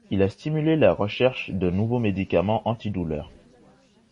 Il a stimulé la recherche de nouveaux médicaments anti-douleur.